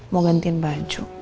mau gantiin baju